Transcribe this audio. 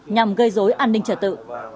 nhằm gây rối an ninh trở tự